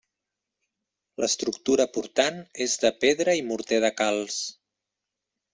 L'estructura portant és de pedra i morter de calc.